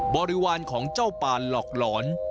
บริวารของเจ้าปานหลอกหลอน